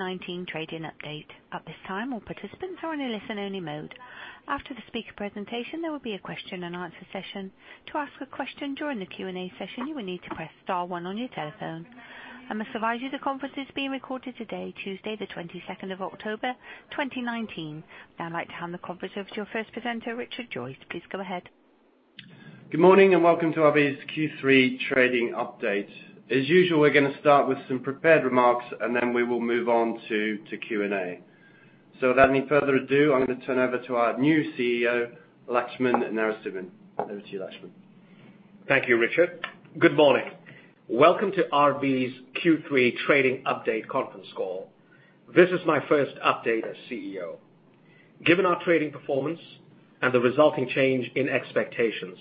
2019 trading update. At this time, all participants are in a listen-only mode. After the speaker presentation, there will be a question and answer session. To ask a question during the Q&A session, you will need to press star 1 on your telephone. I must advise you, the conference is being recorded today, Tuesday the 22nd of October 2019. I'd like to hand the conference over to your first presenter, Richard Joyce. Please go ahead. Good morning and welcome to RB's Q3 trading update. As usual, we're going to start with some prepared remarks. Then we will move on to Q&A. Without any further ado, I'm going to turn it over to our new CEO, Laxman Narasimhan. Over to you, Lakshman. Thank you, Richard. Good morning. Welcome to RB's Q3 trading update conference call. This is my first update as CEO. Given our trading performance and the resulting change in expectations,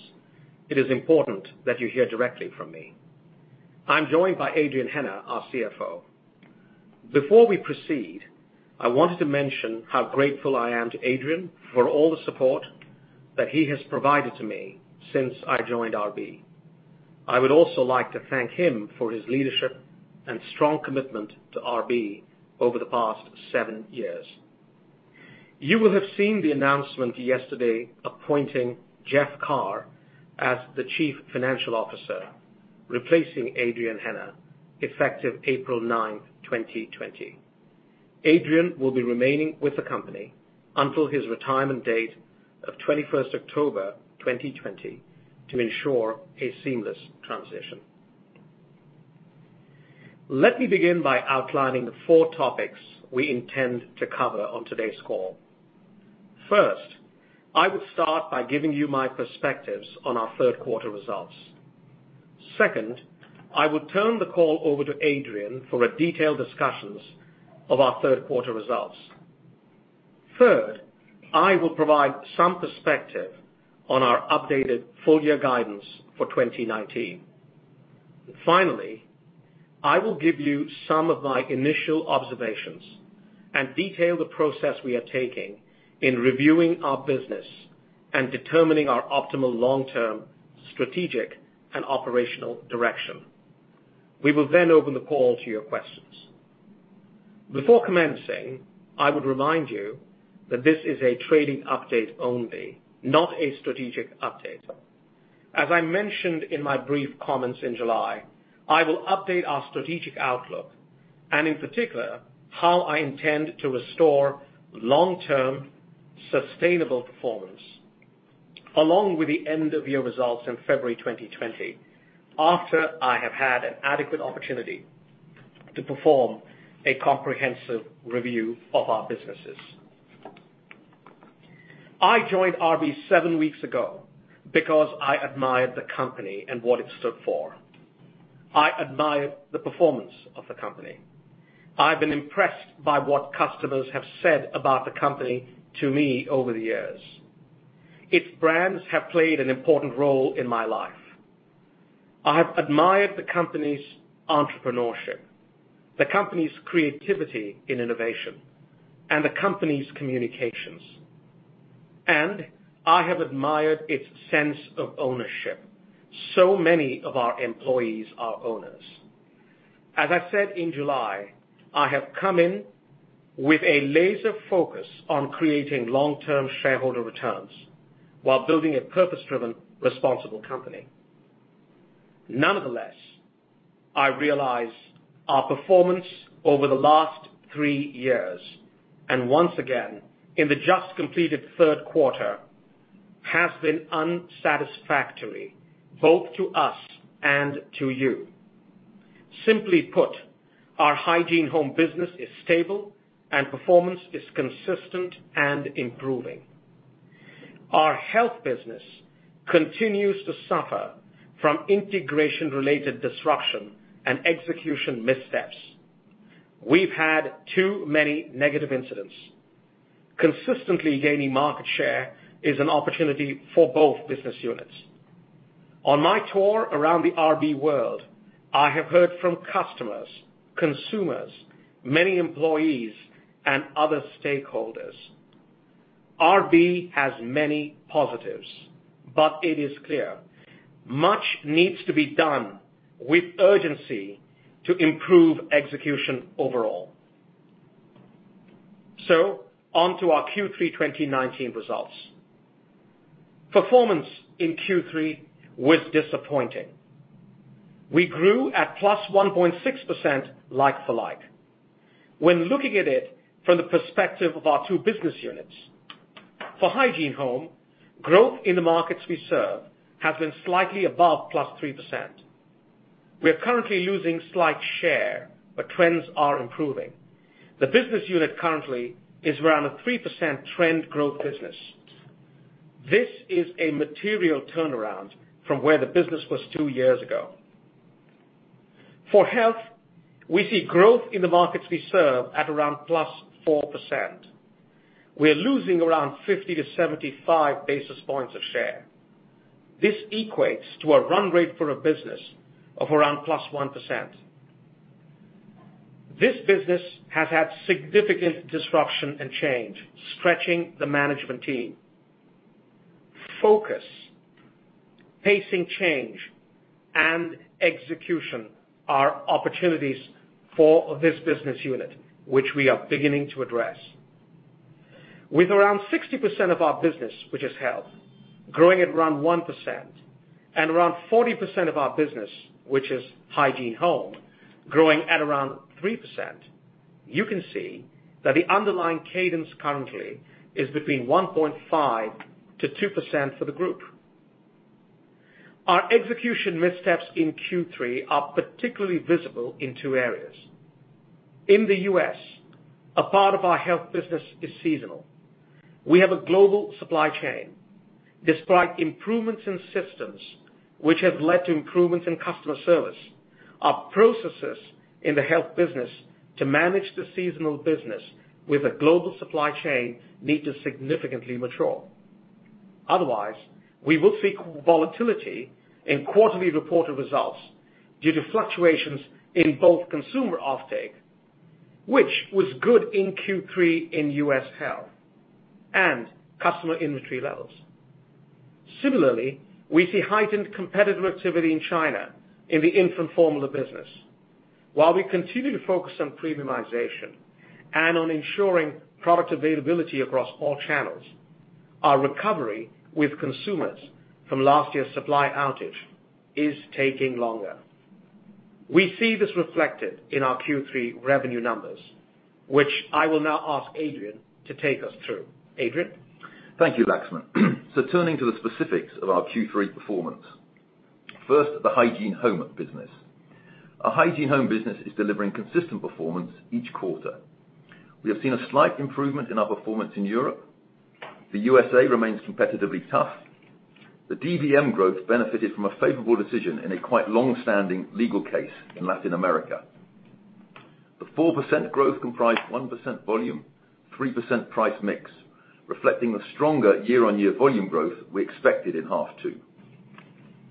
it is important that you hear directly from me. I am joined by Adrian Hennah, our CFO. Before we proceed, I wanted to mention how grateful I am to Adrian for all the support that he has provided to me since I joined RB. I would also like to thank him for his leadership and strong commitment to RB over the past seven years. You will have seen the announcement yesterday appointing Jeff Carr as the Chief Financial Officer, replacing Adrian Hennah, effective April 9th, 2020. Adrian will be remaining with the company until his retirement date of 21st October 2020 to ensure a seamless transition. Let me begin by outlining the four topics we intend to cover on today's call. First, I will start by giving you my perspectives on our third quarter results. Second, I will turn the call over to Adrian for detailed discussions of our third quarter results. Third, I will provide some perspective on our updated full year guidance for 2019. Finally, I will give you some of my initial observations and detail the process we are taking in reviewing our business and determining our optimal long-term strategic and operational direction. We will then open the call to your questions. Before commencing, I would remind you that this is a trading update only, not a strategic update. As I mentioned in my brief comments in July, I will update our strategic outlook and, in particular, how I intend to restore long-term sustainable performance, along with the end-of-year results in February 2020, after I have had an adequate opportunity to perform a comprehensive review of our businesses. I joined RB seven weeks ago because I admired the company and what it stood for. I admired the performance of the company. I've been impressed by what customers have said about the company to me over the years. Its brands have played an important role in my life. I have admired the company's entrepreneurship, the company's creativity in innovation, and the company's communications. I have admired its sense of ownership. Many of our employees are owners. As I said in July, I have come in with a laser focus on creating long-term shareholder returns while building a purpose-driven, responsible company. Nonetheless, I realize our performance over the last three years, and once again in the just completed third quarter, has been unsatisfactory, both to us and to you. Simply put, our Hygiene Home business is stable and performance is consistent and improving. Our Health business continues to suffer from integration-related disruption and execution missteps. We've had too many negative incidents. Consistently gaining market share is an opportunity for both business units. On my tour around the RB world, I have heard from customers, consumers, many employees, and other stakeholders. RB has many positives, but it is clear much needs to be done with urgency to improve execution overall. On to our Q3 2019 results. Performance in Q3 was disappointing. We grew at +1.6% like-for-like. When looking at it from the perspective of our two business units, for Hygiene Home, growth in the markets we serve has been slightly above +3%. We are currently losing slight share, but trends are improving. The business unit currently is around a 3% trend growth business. This is a material turnaround from where the business was two years ago. For Health, we see growth in the markets we serve at around +4%. We are losing around 50-75 basis points of share. This equates to a run rate for a business of around +1%. This business has had significant disruption and change, stretching the management team. Focus, pacing change, and execution are opportunities for this business unit, which we are beginning to address. With around 60% of our business, which is Health, growing at around 1% and around 40% of our business, which is Hygiene Home, growing at around 3%, you can see that the underlying cadence currently is between 1.5%-2% for the group. Our execution missteps in Q3 are particularly visible in two areas. In the U.S., a part of our Health business is seasonal. We have a global supply chain. Despite improvements in systems which have led to improvements in customer service, our processes in the health business to manage the seasonal business with a global supply chain need to significantly mature. Otherwise, we will see volatility in quarterly reported results due to fluctuations in both consumer offtake, which was good in Q3 in U.S. health, and customer inventory levels. Similarly, we see heightened competitive activity in China in the infant formula business. While we continue to focus on premiumization and on ensuring product availability across all channels, our recovery with consumers from last year's supply outage is taking longer. We see this reflected in our Q3 revenue numbers, which I will now ask Adrian to take us through. Adrian? Thank you, Laxman. Turning to the specifics of our Q3 performance. First, the Hygiene Home business. Our Hygiene Home business is delivering consistent performance each quarter. We have seen a slight improvement in our performance in Europe. The USA remains competitively tough. The DvM growth benefited from a favorable decision in a quite long-standing legal case in Latin America. The 4% growth comprised 1% volume, 3% price mix, reflecting the stronger year-on-year volume growth we expected in half two.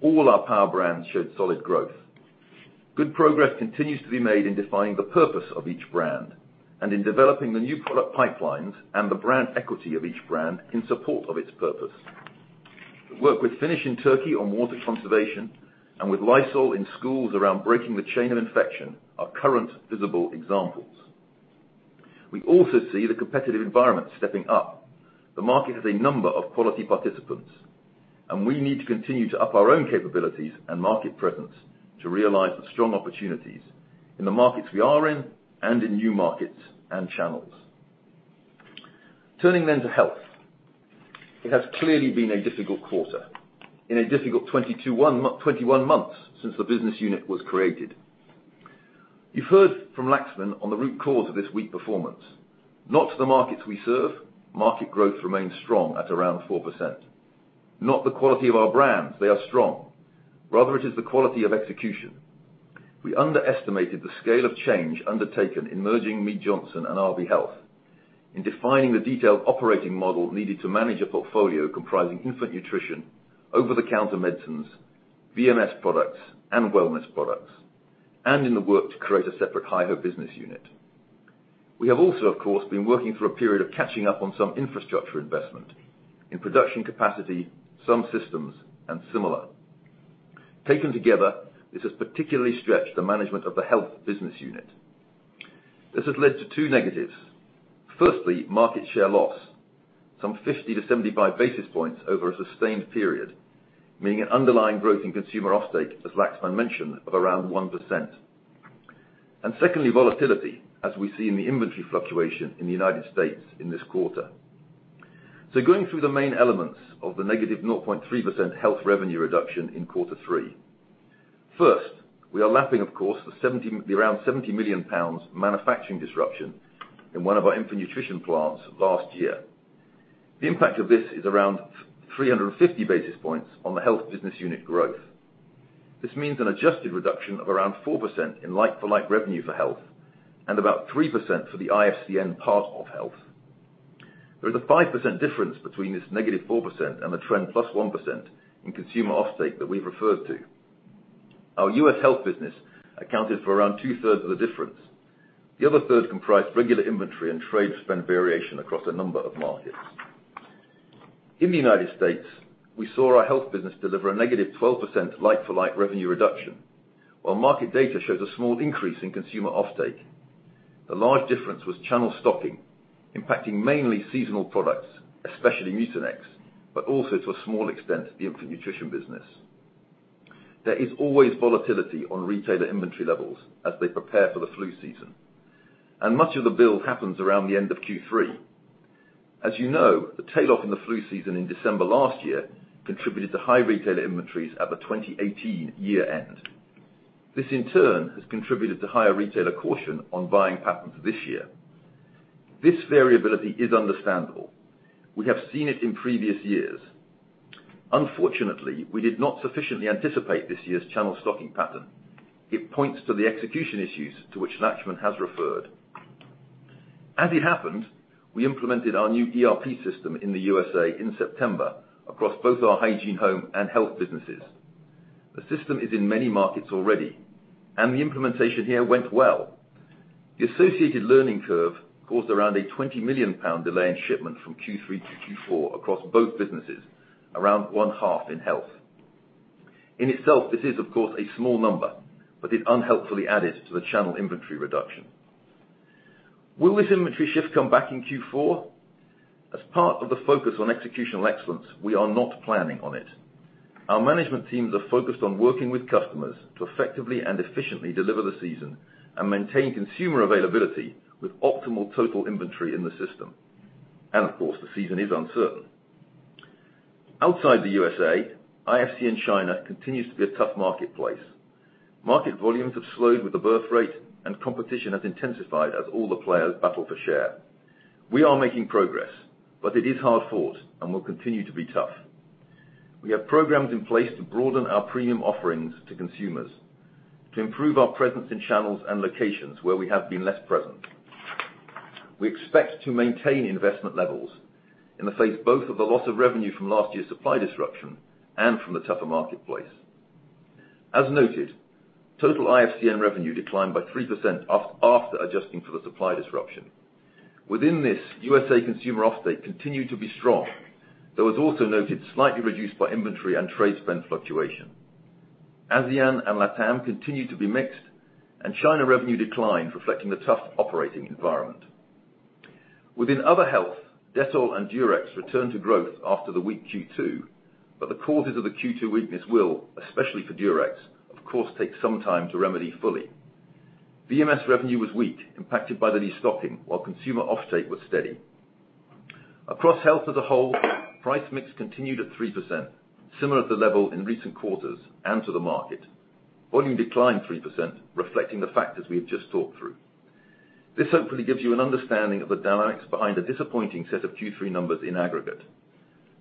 All our power brands showed solid growth. Good progress continues to be made in defining the purpose of each brand, and in developing the new product pipelines and the brand equity of each brand in support of its purpose. The work with Finish in Turkey on water conservation and with Lysol in schools around breaking the chain of infection are current visible examples. We also see the competitive environment stepping up. The market has a number of quality participants, and we need to continue to up our own capabilities and market presence to realize the strong opportunities in the markets we are in and in new markets and channels. Turning to health. It has clearly been a difficult quarter in a difficult 21 months since the business unit was created. You've heard from Laxman on the root cause of this weak performance. Not the markets we serve. Market growth remains strong at around 4%. Not the quality of our brands. They are strong. Rather, it is the quality of execution. We underestimated the scale of change undertaken in merging Mead Johnson and RB Health, in defining the detailed operating model needed to manage a portfolio comprising infant nutrition, over-the-counter medicines, VMS products, and wellness products, and in the work to create a separate Hygiene Home business unit. We have also, of course, been working through a period of catching up on some infrastructure investment in production capacity, some systems, and similar. Taken together, this has particularly stretched the management of the Health business unit. This has led to two negatives. Firstly, market share loss, some 50-75 basis points over a sustained period, meaning an underlying growth in consumer offtake, as Lakshman mentioned, of around 1%. Secondly, volatility, as we see in the inventory fluctuation in the United States in this quarter. Going through the main elements of the negative 0.3% health revenue reduction in quarter three. First, we are lapping, of course, the around 70 million pounds manufacturing disruption in one of our infant nutrition plants last year. The impact of this is around 350 basis points on the Health Business Unit growth. This means an adjusted reduction of around 4% in like-for-like revenue for Health and about 3% for the IFCN part of Health. There is a 5% difference between this negative 4% and the trend plus 1% in consumer offtake that we've referred to. Our U.S. Health Business accounted for around two-thirds of the difference. The other third comprised regular inventory and trade spend variation across a number of markets. In the United States, we saw our Health Business deliver a negative 12% like-for-like revenue reduction. While market data shows a small increase in consumer offtake, the large difference was channel stocking, impacting mainly seasonal products, especially Mucinex, but also to a small extent, the infant nutrition business. There is always volatility on retailer inventory levels as they prepare for the flu season, and much of the build happens around the end of Q3. As you know, the tail off in the flu season in December last year contributed to high retailer inventories at the 2018 year end. This in turn has contributed to higher retailer caution on buying patterns this year. This variability is understandable. We have seen it in previous years. Unfortunately, we did not sufficiently anticipate this year's channel stocking pattern. It points to the execution issues to which Lakshman has referred. As it happened, we implemented our new ERP system in the U.S.A. in September across both our Hygiene Home and health businesses. The system is in many markets already, and the implementation here went well. The associated learning curve caused around a 20 million pound delay in shipment from Q3 to Q4 across both businesses, around one-half in health. In itself, this is, of course, a small number, but it unhelpfully added to the channel inventory reduction. Will this inventory shift come back in Q4? As part of the focus on executional excellence, we are not planning on it. Our management teams are focused on working with customers to effectively and efficiently deliver the season and maintain consumer availability with optimal total inventory in the system. Of course, the season is uncertain. Outside the U.S.A., IFCN China continues to be a tough marketplace. Market volumes have slowed with the birth rate, and competition has intensified as all the players battle for share. We are making progress, but it is hard-fought and will continue to be tough. We have programs in place to broaden our premium offerings to consumers, to improve our presence in channels and locations where we have been less present. We expect to maintain investment levels in the face both of the loss of revenue from last year's supply disruption and from the tougher marketplace. As noted, total IFCN revenue declined by 3% after adjusting for the supply disruption. Within this, USA consumer offtake continued to be strong, though as also noted, slightly reduced by inventory and trade spend fluctuation. ASEAN and LATAM continued to be mixed, and China revenue declined, reflecting the tough operating environment. Within other health, Dettol and Durex returned to growth after the weak Q2, but the causes of the Q2 weakness will, especially for Durex, of course, take some time to remedy fully. VMS revenue was weak, impacted by the destocking, while consumer offtake was steady. Across health as a whole, price mix continued at 3%, similar to the level in recent quarters and to the market. Volume declined 3%, reflecting the factors we have just talked through. This hopefully gives you an understanding of the dynamics behind a disappointing set of Q3 numbers in aggregate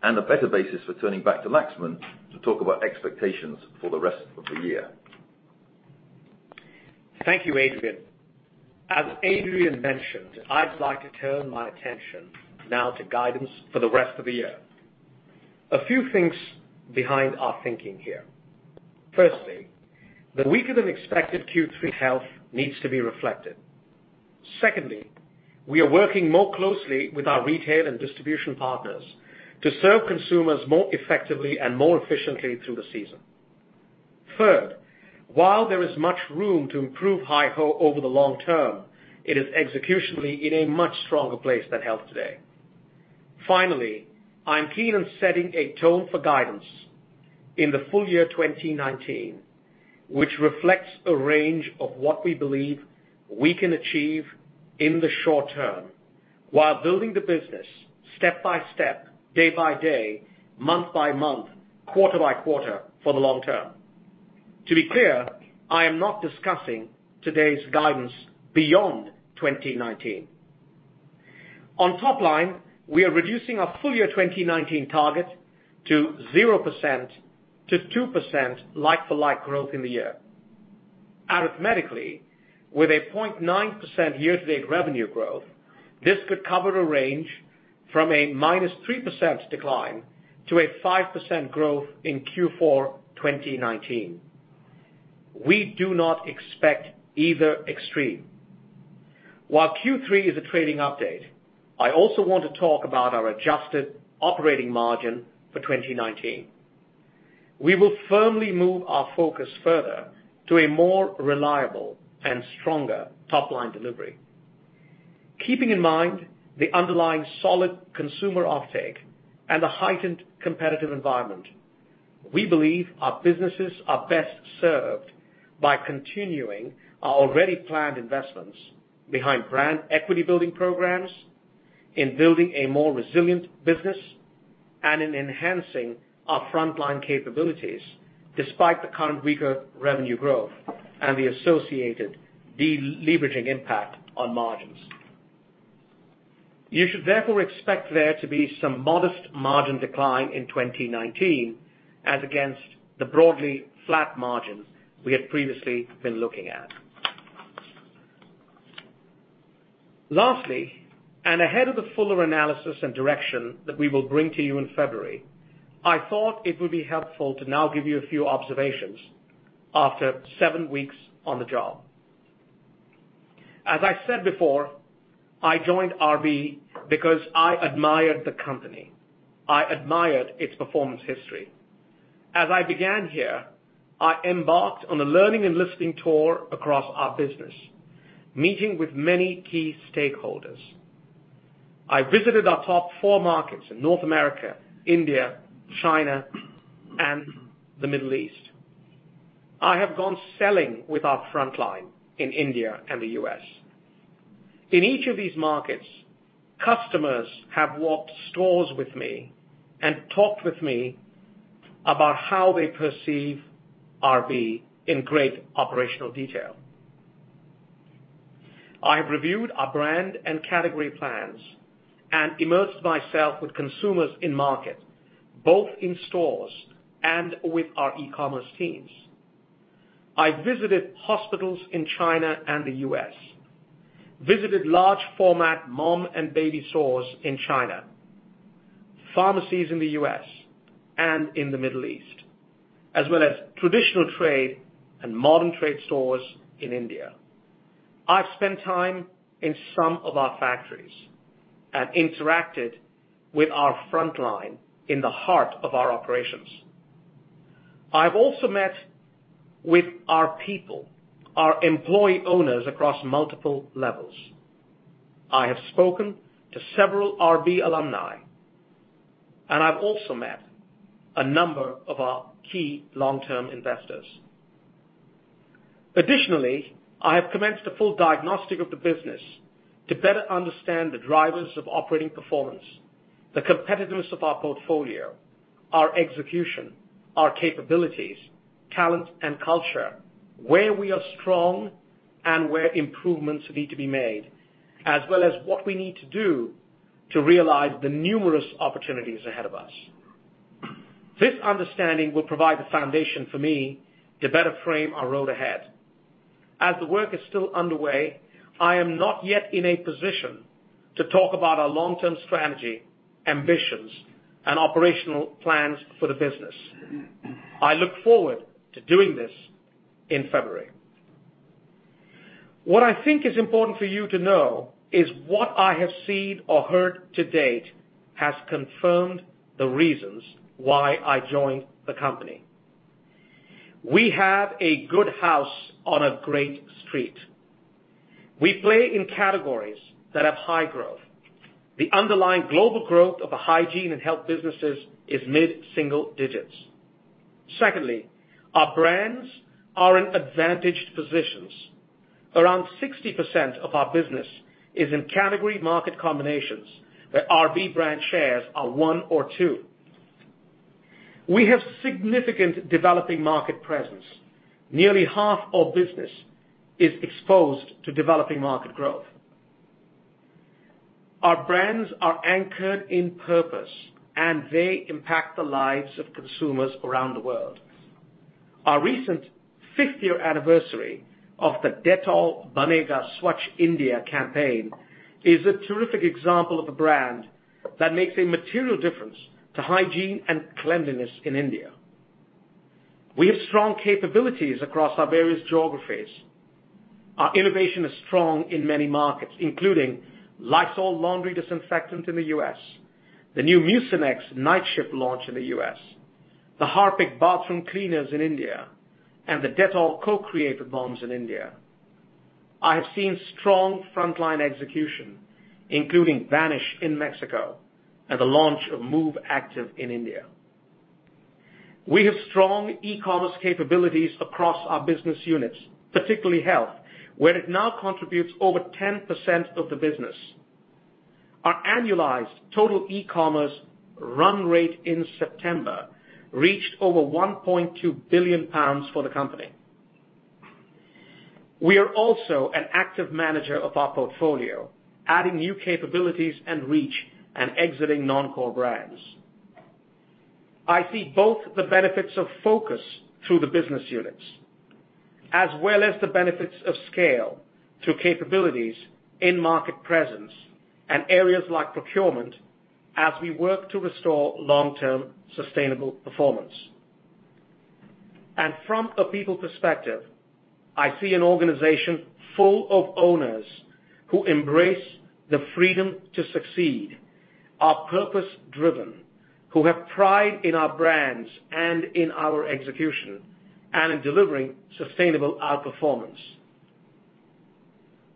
and a better basis for turning back to Laxman to talk about expectations for the rest of the year. Thank you, Adrian. As Adrian mentioned, I'd like to turn my attention now to guidance for the rest of the year. A few things behind our thinking here. The weaker-than-expected Q3 Health needs to be reflected. We are working more closely with our retail and distribution partners to serve consumers more effectively and more efficiently through the season. While there is much room to improve Hygiene Home over the long term, it is executionally in a much stronger place than Health today. I'm keen on setting a tone for guidance in the full year 2019, which reflects a range of what we believe we can achieve in the short term while building the business step by step, day by day, month by month, quarter by quarter, for the long term. To be clear, I am not discussing today's guidance beyond 2019. On top line, we are reducing our full-year 2019 target to 0%-2% like-for-like growth in the year. Arithmetically, with a 0.9% year-to-date revenue growth, this could cover the range from a -3% decline to a 5% growth in Q4 2019. We do not expect either extreme. While Q3 is a trading update, I also want to talk about our adjusted operating margin for 2019. We will firmly move our focus further to a more reliable and stronger top-line delivery. Keeping in mind the underlying solid consumer offtake and the heightened competitive environment, we believe our businesses are best served by continuing our already-planned investments behind brand equity-building programs, in building a more resilient business, and in enhancing our frontline capabilities, despite the current weaker revenue growth and the associated deleveraging impact on margins. You should therefore expect there to be some modest margin decline in 2019 as against the broadly flat margins we had previously been looking at. Lastly, and ahead of the fuller analysis and direction that we will bring to you in February, I thought it would be helpful to now give you a few observations after seven weeks on the job. As I said before, I joined RB because I admired the company. I admired its performance history. As I began here, I embarked on a learning and listening tour across our business, meeting with many key stakeholders. I visited our top four markets in North America, India, China, and the Middle East. I have gone selling with our frontline in India and the U.S. In each of these markets, customers have walked stores with me and talked with me about how they perceive RB in great operational detail. I have reviewed our brand and category plans and immersed myself with consumers in-market, both in stores and with our e-commerce teams. I visited hospitals in China and the U.S., visited large format mom and baby stores in China. Pharmacies in the U.S. and in the Middle East, as well as traditional trade and modern trade stores in India. I've spent time in some of our factories and interacted with our frontline in the heart of our operations. I've also met with our people, our employee owners, across multiple levels. I have spoken to several RB alumni, and I've also met a number of our key long-term investors. Additionally, I have commenced a full diagnostic of the business to better understand the drivers of operating performance, the competitiveness of our portfolio, our execution, our capabilities, talent, and culture, where we are strong and where improvements need to be made, as well as what we need to do to realize the numerous opportunities ahead of us. This understanding will provide the foundation for me to better frame our road ahead. As the work is still underway, I am not yet in a position to talk about our long-term strategy, ambitions, and operational plans for the business. I look forward to doing this in February. What I think is important for you to know is what I have seen or heard to date has confirmed the reasons why I joined the company. We have a good house on a great street. We play in categories that have high growth. The underlying global growth of the hygiene and health businesses is mid-single digits. Our brands are in advantaged positions. Around 60% of our business is in category market combinations where RB brand shares are one or two. We have significant developing market presence. Nearly half our business is exposed to developing market growth. Our brands are anchored in purpose, and they impact the lives of consumers around the world. Our recent fifth-year anniversary of the Dettol Banega Swasth India campaign is a terrific example of a brand that makes a material difference to hygiene and cleanliness in India. We have strong capabilities across our various geographies. Our innovation is strong in many markets, including Lysol Laundry Sanitizer in the U.S., the new Mucinex Nightshift launch in the U.S., the Harpic bathroom cleaners in India, and the Dettol Co-created with Moms in India. I have seen strong frontline execution, including Vanish in Mexico and the launch of Moov Active in India. We have strong e-commerce capabilities across our business units, particularly Health, where it now contributes over 10% of the business. Our annualized total e-commerce run rate in September reached over 1.2 billion pounds for the company. We are also an active manager of our portfolio, adding new capabilities and reach and exiting non-core brands. I see both the benefits of focus through the business units as well as the benefits of scale through capabilities in market presence and areas like procurement as we work to restore long-term sustainable performance. From a people perspective, I see an organization full of owners who embrace the freedom to succeed, are purpose-driven, who have pride in our brands and in our execution, and in delivering sustainable outperformance.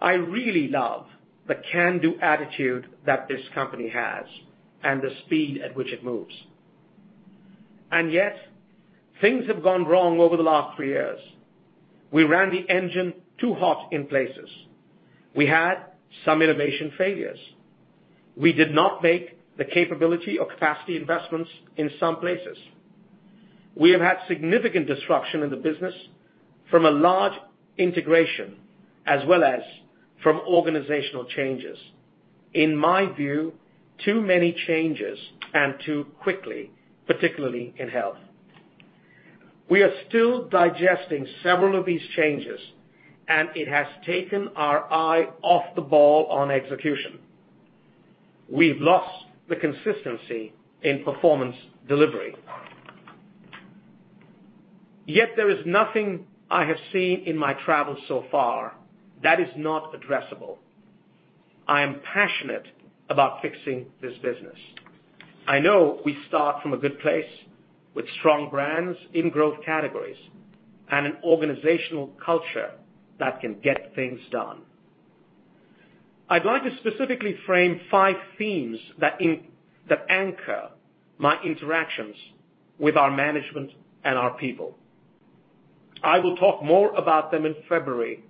I really love the can-do attitude that this company has and the speed at which it moves. Yet, things have gone wrong over the last three years. We ran the engine too hot in places. We had some innovation failures. We did not make the capability or capacity investments in some places. We have had significant disruption in the business from a large integration as well as from organizational changes. In my view, too many changes and too quickly, particularly in Health. We are still digesting several of these changes, and it has taken our eye off the ball on execution. We've lost the consistency in performance delivery. Yet there is nothing I have seen in my travels so far that is not addressable. I am passionate about fixing this business. I know we start from a good place with strong brands in growth categories and an organizational culture that can get things done. I'd like to specifically frame five themes that anchor my interactions with our management and our people. I will talk more about them in February,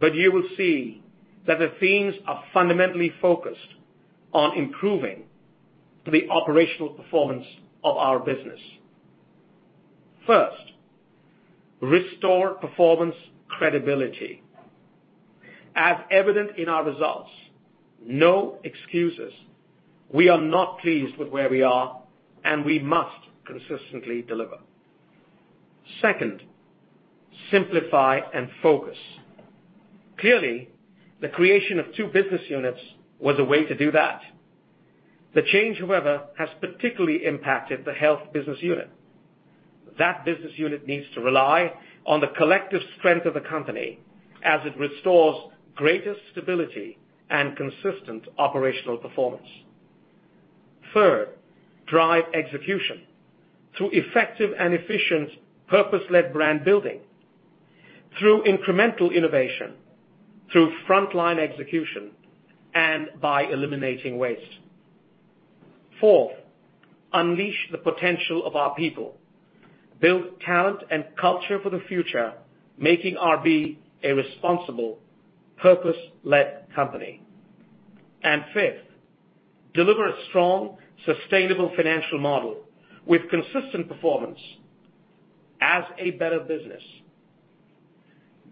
but you will see that the themes are fundamentally focused on improving the operational performance of our business. First, restore performance credibility. As evident in our results, no excuses. We are not pleased with where we are, and we must consistently deliver. Second, simplify and focus. Clearly, the creation of two business units was a way to do that. The change, however, has particularly impacted the Health Business Unit. That Business Unit needs to rely on the collective strength of the company as it restores greater stability and consistent operational performance. Third, drive execution through effective and efficient purpose-led brand building, through incremental innovation, through frontline execution, and by eliminating waste. Fourth, unleash the potential of our people. Build talent and culture for the future, making RB a responsible, purpose-led company. Fifth, deliver a strong, sustainable financial model with consistent performance as a better business,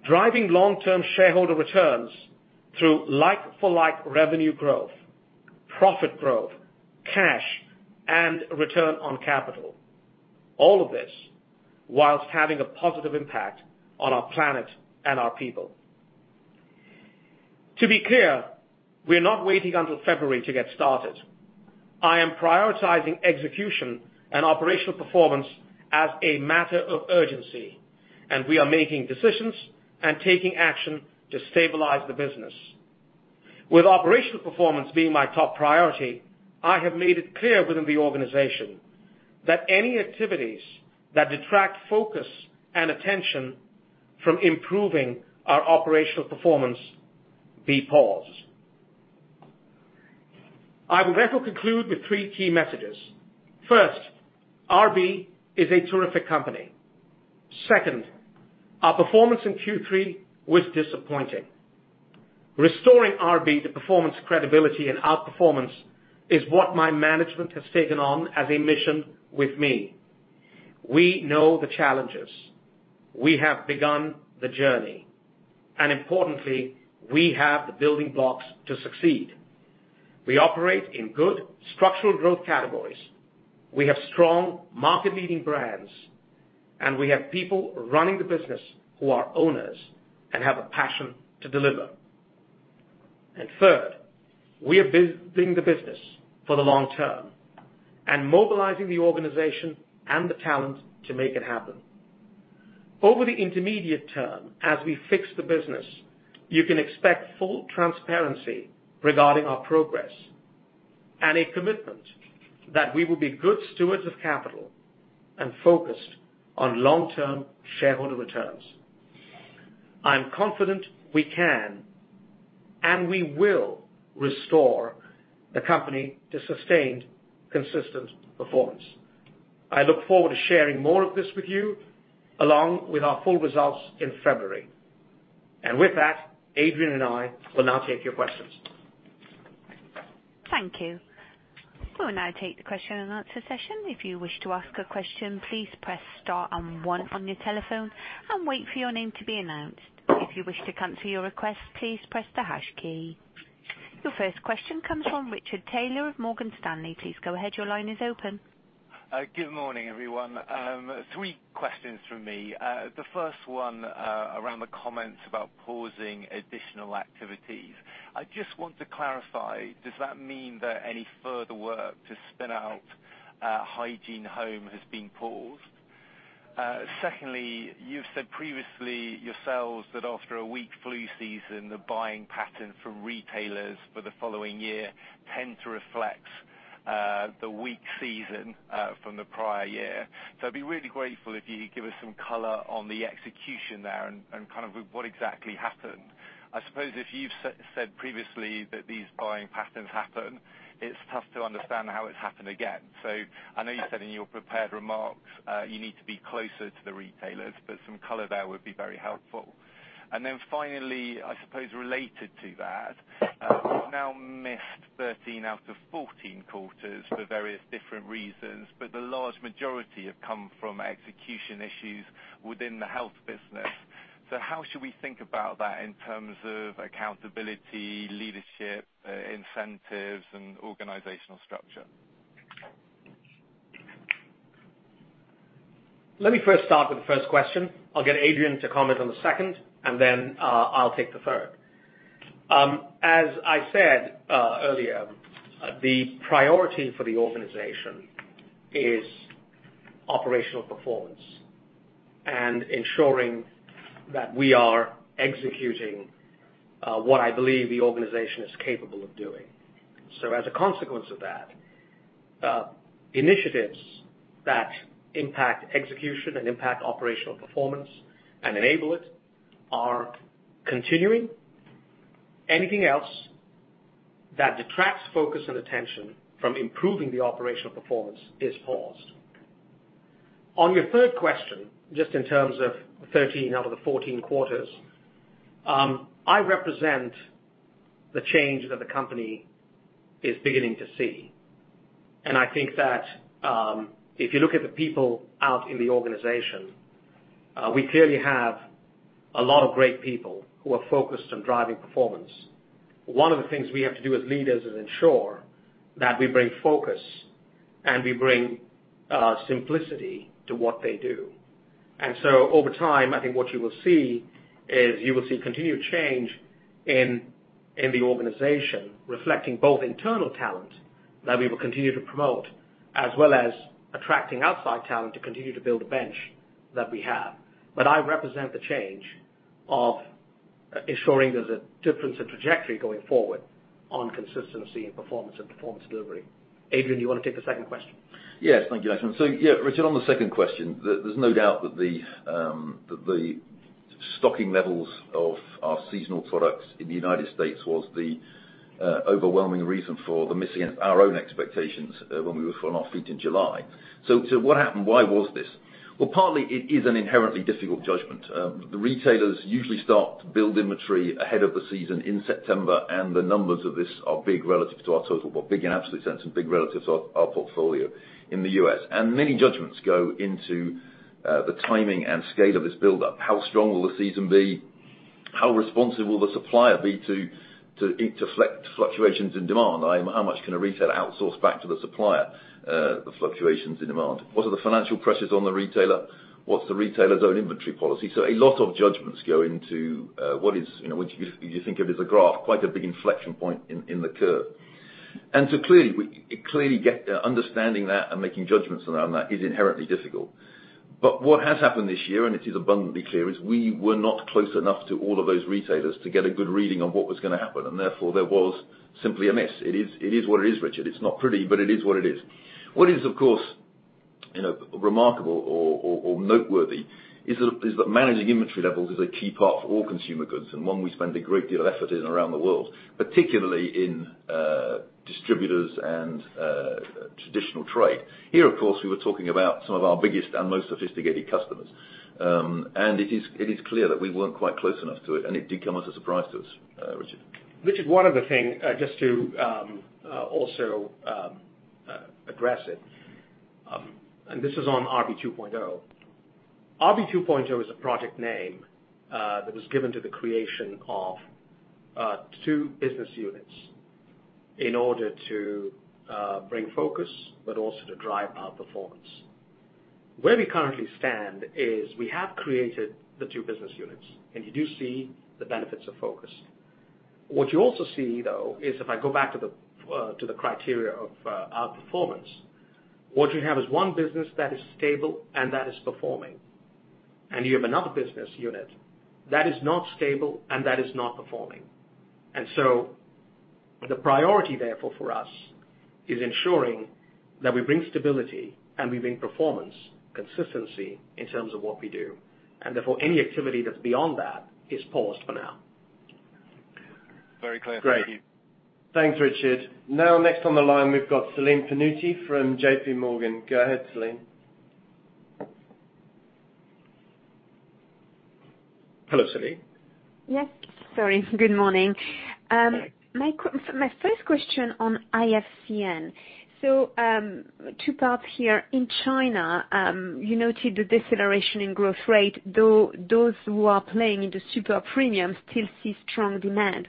driving long-term shareholder returns through like-for-like revenue growth, profit growth, cash, and return on capital. All of this while having a positive impact on our planet and our people. To be clear, we are not waiting until February to get started. I am prioritizing execution and operational performance as a matter of urgency, and we are making decisions and taking action to stabilize the business. With operational performance being my top priority, I have made it clear within the organization that any activities that detract focus and attention from improving our operational performance be paused. I will therefore conclude with three key messages. First, RB is a terrific company. Second, our performance in Q3 was disappointing. Restoring RB to performance credibility and outperformance is what my management has taken on as a mission with me. We know the challenges. We have begun the journey, and importantly, we have the building blocks to succeed. We operate in good structural growth categories. We have strong market-leading brands, and we have people running the business who are owners and have a passion to deliver. Third, we are building the business for the long term and mobilizing the organization and the talent to make it happen. Over the intermediate term, as we fix the business, you can expect full transparency regarding our progress and a commitment that we will be good stewards of capital and focused on long-term shareholder returns. I'm confident we can, and we will restore the company to sustained, consistent performance. I look forward to sharing more of this with you, along with our full results in February. With that, Adrian and I will now take your questions. Thank you. We will now take the question and answer session. If you wish to ask a question, please press star and one on your telephone and wait for your name to be announced. If you wish to cancel your request, please press the hash key. Your first question comes from Richard Taylor of Morgan Stanley. Please go ahead. Your line is open. Good morning, everyone. Three questions from me. The first one around the comments about pausing additional activities. I just want to clarify, does that mean that any further work to spin out Hygiene Home has been paused? Secondly, you've said previously yourselves that after a weak flu season, the buying pattern for retailers for the following year tend to reflect the weak season from the prior year. I'd be really grateful if you could give us some color on the execution there and kind of what exactly happened. I suppose if you've said previously that these buying patterns happen, it's tough to understand how it's happened again. I know you said in your prepared remarks, you need to be closer to the retailers, but some color there would be very helpful. Finally, I suppose, related to that, you've now missed 13 out of 14 quarters for various different reasons, but the large majority have come from execution issues within the health business. How should we think about that in terms of accountability, leadership, incentives, and organizational structure? Let me first start with the first question. I'll get Adrian to comment on the second, then I'll take the third. As I said earlier, the priority for the organization is operational performance and ensuring that we are executing what I believe the organization is capable of doing. As a consequence of that, initiatives that impact execution and impact operational performance and enable it are continuing. Anything else that detracts focus and attention from improving the operational performance is paused. On your third question, just in terms of the 13 out of the 14 quarters, I represent the change that the company is beginning to see. I think that if you look at the people out in the organization, we clearly have a lot of great people who are focused on driving performance. One of the things we have to do as leaders is ensure that we bring focus and we bring simplicity to what they do. Over time, I think what you will see is you will see continued change in the organization reflecting both internal talent that we will continue to promote, as well as attracting outside talent to continue to build a bench that we have. I represent the change of ensuring there's a difference in trajectory going forward on consistency in performance and performance delivery. Adrian, you want to take the second question? Yes. Thank you, Lakshman. Richard, on the second question, there's no doubt that the stocking levels of our seasonal products in the U.S. was the overwhelming reason for the missing of our own expectations when we were on our feet in July. What happened? Why was this? Well, partly it is an inherently difficult judgment. The retailers usually start to build inventory ahead of the season in September. The numbers of this are big relative to our total, but big in absolute sense and big relative to our portfolio in the U.S. Many judgments go into the timing and scale of this buildup. How strong will the season be? How responsive will the supplier be to fluctuations in demand? How much can a retailer outsource back to the supplier, the fluctuations in demand? What are the financial pressures on the retailer? What's the retailer's own inventory policy? A lot of judgments go into what you think of as a graph, quite a big inflection point in the curve. Clearly, understanding that and making judgments around that is inherently difficult. What has happened this year, and it is abundantly clear, is we were not close enough to all of those retailers to get a good reading on what was going to happen, and therefore there was simply a miss. It is what it is, Richard. It's not pretty, but it is what it is. What is, of course, remarkable or noteworthy is that managing inventory levels is a key part for all consumer goods, and one we spend a great deal of effort in around the world, particularly in distributors and traditional trade. Here, of course, we were talking about some of our biggest and most sophisticated customers. It is clear that we weren't quite close enough to it, and it did come as a surprise to us, Richard. Richard, one other thing, just to also address it, and this is on RB 2.0. RB 2.0 is a project name that was given to the creation of two business units in order to bring focus, but also to drive our performance. Where we currently stand is we have created the two business units, and you do see the benefits of focus. What you also see, though, is if I go back to the criteria of our performance, what you have is one business that is stable and that is performing, and you have another business unit that is not stable and that is not performing. The priority, therefore, for us, is ensuring that we bring stability and we bring performance, consistency in terms of what we do. Therefore, any activity that's beyond that is paused for now. Very clear. Thank you. Great. Thanks, Richard. Next on the line, we've got Celine Pannuti from J.P. Morgan. Go ahead, Celine. Hello, Celine. Yes. Sorry. Good morning. Hey. My first question on IFCN. Two parts here. In China, you noted the deceleration in growth rate, though those who are playing in the super premium still see strong demand.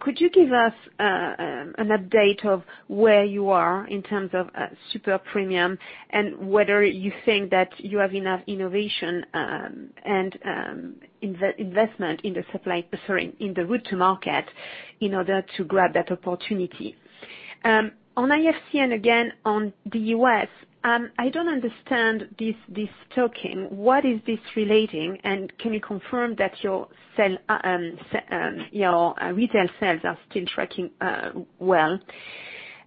Could you give us an update of where you are in terms of super premium and whether you think that you have enough innovation and investment in the route to market in order to grab that opportunity? On IFCN, again, on the U.S., I don't understand this stocking. What is this relating? Can you confirm that your retail sales are still tracking well?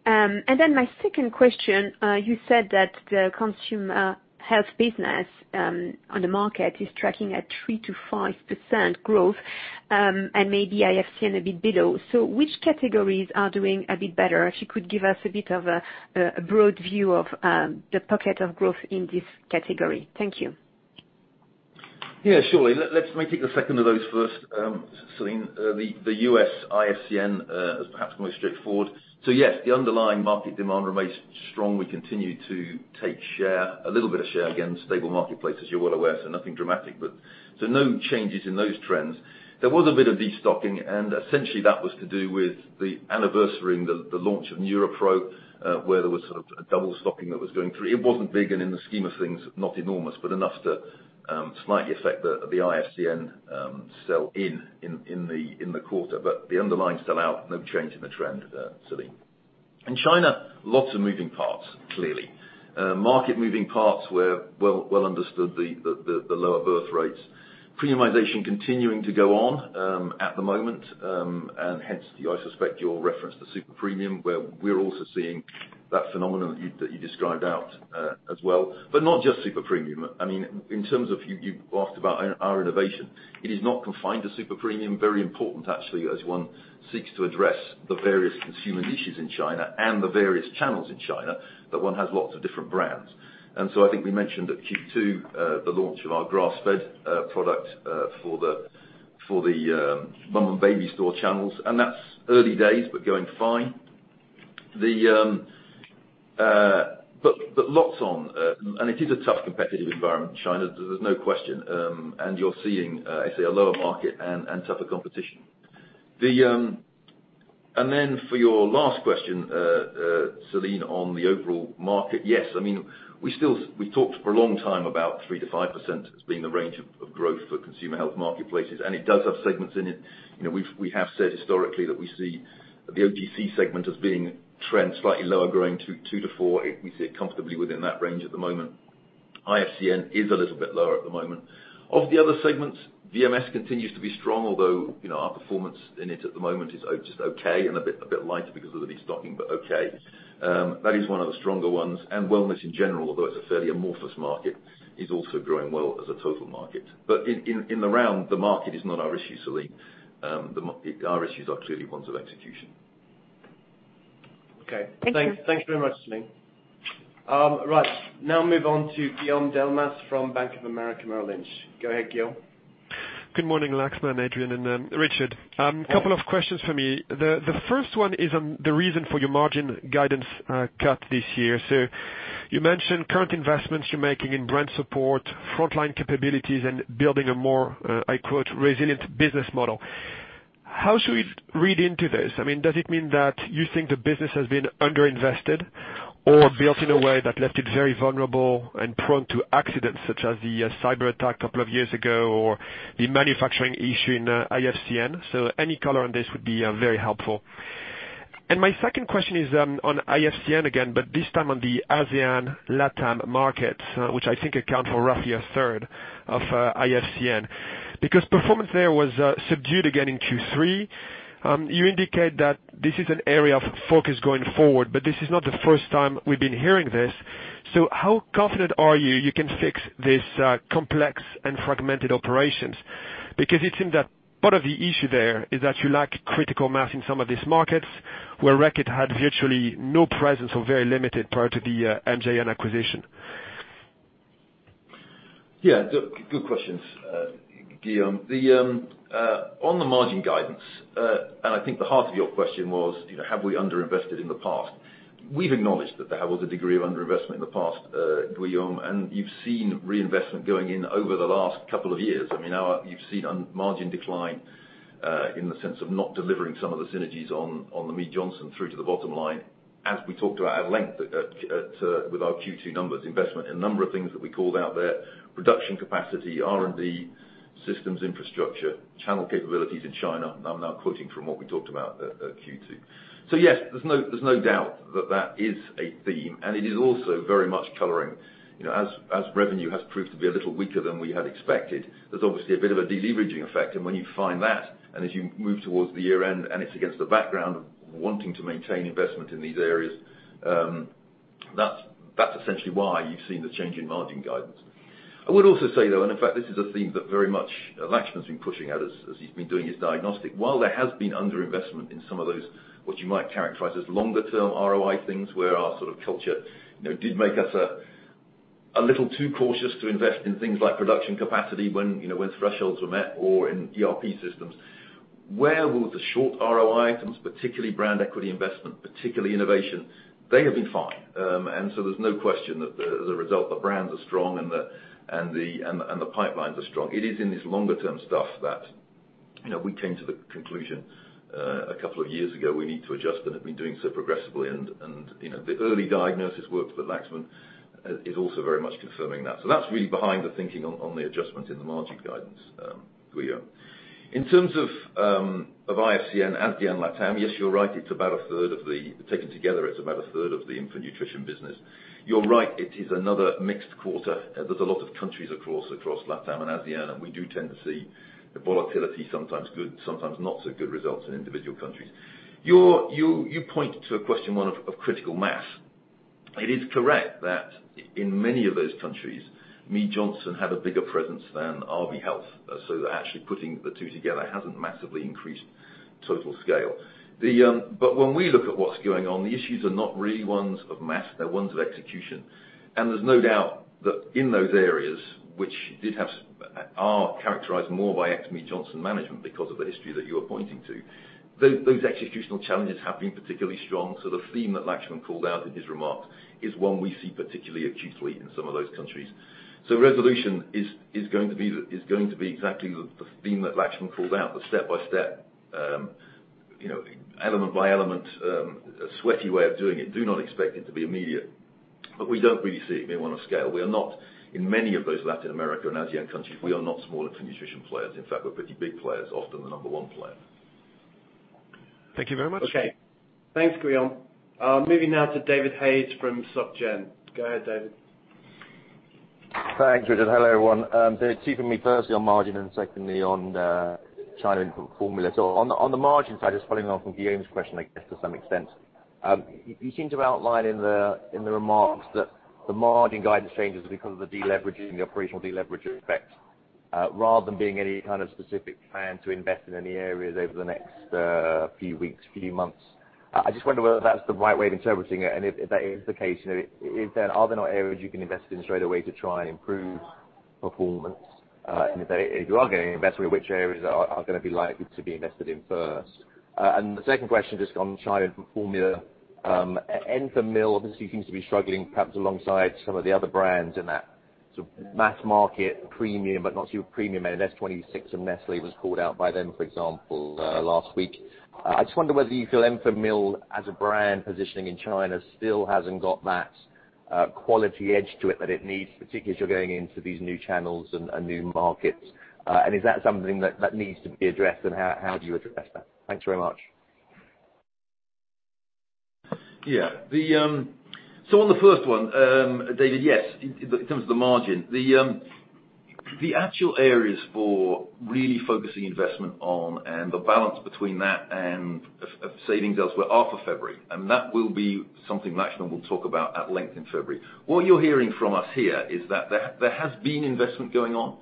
My second question, you said that the consumer health business on the market is tracking at 3%-5% growth, and maybe IFCN a bit below. Which categories are doing a bit better? If you could give us a bit of a broad view of the pocket of growth in this category. Thank you. Surely. Let me take the second of those first, Celine. The U.S. IFCN is perhaps more straightforward. Yes, the underlying market demand remains strong. We continue to take share, a little bit of share. Stable marketplace, as you're well aware, nothing dramatic. No changes in those trends. There was a bit of destocking, and essentially that was to do with the anniversary and the launch of NeuroPro, where there was sort of a double stocking that was going through. It wasn't big and in the scheme of things, not enormous, but enough to slightly affect the IFCN sell in in the quarter. The underlying sell out, no change in the trend there, Celine. In China, lots of moving parts, clearly. Market moving parts were well understood, the lower birth rates. Premiumization continuing to go on, at the moment. I suspect your reference to super premium, where we're also seeing that phenomenon that you described out as well. Not just super premium. You asked about our innovation. It is not confined to super premium. Very important, actually, as one seeks to address the various consumer issues in China and the various channels in China, that one has lots of different brands. I think we mentioned at Q2, the launch of our grass-fed product for the mum-and-baby store channels. That's early days, but going fine. Lots on. It is a tough competitive environment in China, there's no question. You're seeing, I say, a lower market and tougher competition. For your last question, Celine, on the overall market. Yes. We talked for a long time about 3%-5% as being the range of growth for consumer health marketplaces. It does have segments in it. We have said historically that we see the OTC segment as being trend slightly lower growing, 2%-4%. We sit comfortably within that range at the moment. IFCN is a little bit lower at the moment. Of the other segments, VMS continues to be strong, although our performance in it at the moment is just okay and a bit lighter because of the destocking, but okay. That is one of the stronger ones. Wellness in general, although it's a fairly amorphous market, is also growing well as a total market. In the round, the market is not our issue, Celine. Our issues are clearly ones of execution. Okay. Thank you. Thanks very much, Celine. Right. Now move on to Guillaume Delmas from Bank of America Merrill Lynch. Go ahead, Guillaume. Good morning, Lakshman, Adrian, and Richard. A couple of questions for me. The first one is on the reason for your margin guidance cut this year. You mentioned current investments you're making in brand support, frontline capabilities, and building a more, I quote, "Resilient business model." How should we read into this? Does it mean that you think the business has been under-invested or built in a way that left it very vulnerable and prone to accidents such as the cyber attack a couple of years ago, or the manufacturing issue in IFCN? Any color on this would be very helpful. My second question is on IFCN again, but this time on the ASEAN LATAM markets, which I think account for roughly a third of IFCN. Performance there was subdued again in Q3. You indicate that this is an area of focus going forward, this is not the first time we've been hearing this. How confident are you you can fix this complex and fragmented operations? It seems that part of the issue there is that you lack critical mass in some of these markets, where Reckitt had virtually no presence or very limited prior to the MJN acquisition. Good questions, Guillaume. On the margin guidance, I think the heart of your question was, have we under-invested in the past? We've acknowledged that there was a degree of under-investment in the past, Guillaume, you've seen reinvestment going in over the last couple of years. You've seen a margin decline, in the sense of not delivering some of the synergies on the Mead Johnson through to the bottom line, as we talked about at length with our Q2 numbers. Investment in a number of things that we called out there. Production capacity, R&D, systems infrastructure, channel capabilities in China. I'm now quoting from what we talked about at Q2. Yes, there's no doubt that that is a theme, it is also very much coloring. As revenue has proved to be a little weaker than we had expected, there's obviously a bit of a deleveraging effect. When you find that, and as you move towards the year end, and it's against the background of wanting to maintain investment in these areas, that's essentially why you've seen the change in margin guidance. I would also say, though, and in fact this is a theme that very much Laxman's been pushing at as he's been doing his diagnostic. While there has been under-investment in some of those, what you might characterize as longer term ROI things, where our sort of culture did make us a little too cautious to invest in things like production capacity when thresholds were met or in ERP systems. Where with the short ROI items, particularly brand equity investment, particularly innovation, they have been fine. There's no question that the result, the brands are strong and the pipelines are strong. It is in this longer term stuff that we came to the conclusion a couple of years ago we need to adjust and have been doing so progressively. The early diagnosis work for Lakshman is also very much confirming that. That's really behind the thinking on the adjustment in the margin guidance, Guillaume. In terms of IFCN, ASEAN, LATAM, yes, you're right. Taken together, it's about a third of the infant nutrition business. You're right, it is another mixed quarter. There's a lot of countries across LATAM and ASEAN, and we do tend to see the volatility, sometimes good, sometimes not so good results in individual countries. You point to a question, one of critical mass. It is correct that in many of those countries, Mead Johnson had a bigger presence than RB Health. Actually putting the two together hasn't massively increased total scale. When we look at what's going on, the issues are not really ones of mass, they're ones of execution. There's no doubt that in those areas, which are characterized more by ex Mead Johnson management because of the history that you're pointing to, those executional challenges have been particularly strong. The theme that Lakshman called out in his remarks is one we see particularly acutely in some of those countries. Resolution is going to be exactly the theme that Lakshman called out, the step-by-step, element by element, sweaty way of doing it. Do not expect it to be immediate. We don't really see it being one of scale. In many of those Latin America and ASEAN countries, we are not smaller nutrition players. In fact, we're pretty big players, often the number one player. Thank you very much. Okay. Thanks, Guillaume. Moving now to David Hayes from Société Générale. Go ahead, David. Thanks, Richard. Hello, everyone. Two from me. Firstly on margin and secondly on China infant formula. On the margin side, just following on from Guillaume's question, I guess to some extent. You seem to have outlined in the remarks that the margin guidance changes because of the deleveraging, the operational deleverage effect, rather than being any kind of specific plan to invest in any areas over the next few weeks, few months. I just wonder whether that's the right way of interpreting it, and if that is the case, are there not areas you can invest in straight away to try and improve performance. If you are getting investment, which areas are going to be likely to be invested in first? The second question, just on China formula. Enfamil obviously seems to be struggling, perhaps alongside some of the other brands in that sort of mass market premium, but not super premium. S-26 of Nestlé was called out by them, for example, last week. I just wonder whether you feel Enfamil as a brand positioning in China still hasn't got that quality edge to it that it needs, particularly as you're going into these new channels and new markets. Is that something that needs to be addressed, and how do you address that? Thanks very much. Yeah. On the first one, David, yes. In terms of the margin. The actual areas for really focusing investment on and the balance between that and savings elsewhere are for February, and that will be something Lakshman will talk about at length in February. What you're hearing from us here is that there has been investment going on,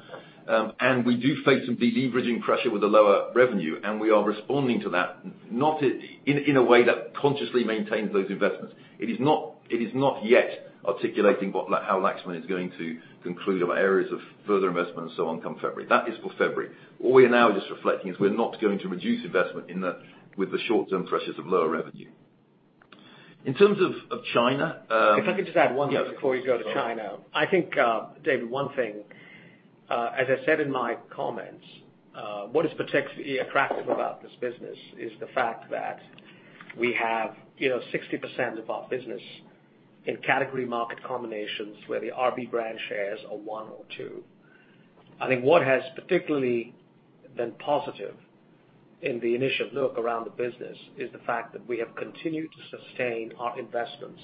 and we do face some de-leveraging pressure with the lower revenue, and we are responding to that, not in a way that consciously maintains those investments. It is not yet articulating how Lakshman is going to conclude on areas of further investment and so on come February. That is for February. What we are now just reflecting is we're not going to reduce investment with the short-term pressures of lower revenue. In terms of China- If I could just add one more before you go to China. Sorry. I think, David, one thing, as I said in my comments, what is particularly attractive about this business is the fact that we have 60% of our business in category market combinations where the RB brand shares are one or two. I think what has particularly been positive in the initial look around the business is the fact that we have continued to sustain our investments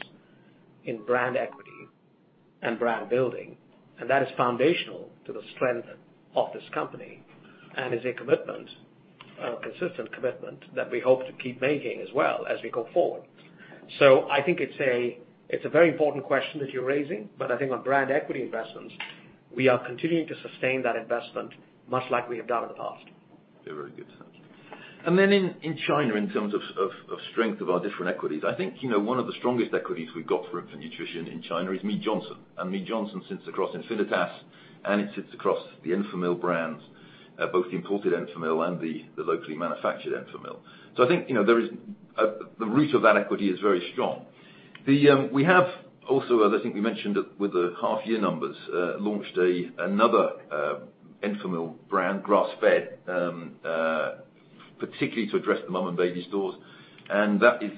in brand equity and brand building, and that is foundational to the strength of this company and is a commitment, a consistent commitment, that we hope to keep making as well as we go forward. I think it's a very important question that you're raising, but I think on brand equity investments, we are continuing to sustain that investment much like we have done in the past. Yeah, very good. Thank you. Then in China, in terms of strength of our different equities, I think one of the strongest equities we've got for infant nutrition in China is Mead Johnson. Mead Johnson sits across Enfamil, and it sits across the Enfamil brands, both the imported Enfamil and the locally manufactured Enfamil. I think the root of that equity is very strong. We have also, as I think we mentioned with the half-year numbers, launched another Enfamil brand, grass-fed, particularly to address the mom and baby stores. That is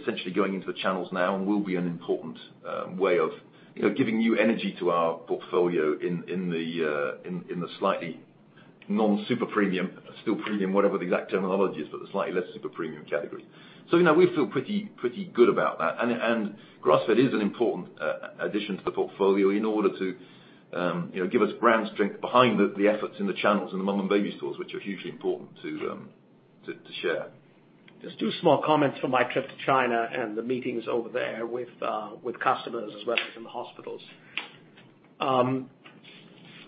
essentially going into the channels now and will be an important way of giving new energy to our portfolio in the slightly non-super premium, still premium, whatever the exact terminology is, but the slightly less super premium category. We feel pretty good about that, and grass-fed is an important addition to the portfolio in order to give us brand strength behind the efforts in the channels and the mom and baby stores, which are hugely important to share. Just two small comments from my trip to China and the meetings over there with customers as well as in the hospitals.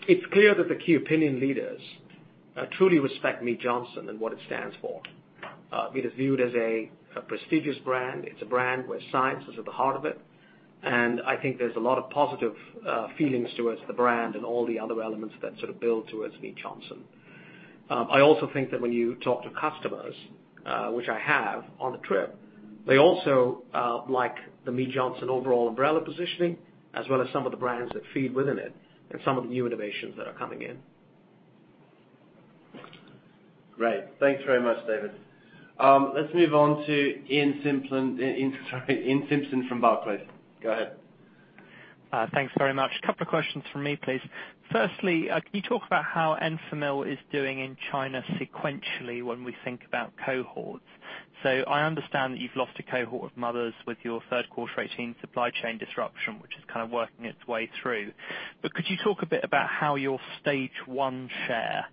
It's clear that the key opinion leaders truly respect Mead Johnson and what it stands for. It is viewed as a prestigious brand. It's a brand where science is at the heart of it, and I think there's a lot of positive feelings towards the brand and all the other elements that sort of build towards Mead Johnson. I also think that when you talk to customers, which I have on the trip, they also like the Mead Johnson overall umbrella positioning, as well as some of the brands that feed within it and some of the new innovations that are coming in. Great. Thanks very much, David. Let's move on to Iain Simpson from Barclays. Go ahead. Thanks very much. Couple of questions from me, please. Firstly, can you talk about how Enfamil is doing in China sequentially when we think about cohorts? I understand that you've lost a cohort of mothers with your third quarter 2018 supply chain disruption, which is kind of working its way through. Could you talk a bit about how your stage 1 share